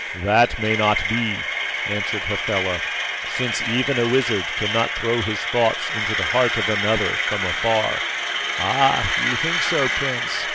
"That may not be," answered Hafela, "since even a wizard cannot throw his thoughts into the heart of another from afar." "Ah! you think so, Prince.